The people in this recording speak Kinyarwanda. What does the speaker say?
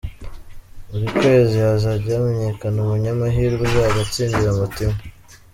Buri kwezi hazajya hamenyekana umunyamahirwe uzajya atsindira Moto imwe.